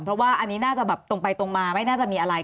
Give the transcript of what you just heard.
เพราะว่าอันนี้น่าจะแบบตรงไปตรงมาไม่น่าจะมีอะไร